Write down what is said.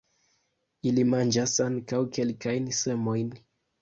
Ili manĝas ankaŭ kelkajn semojn.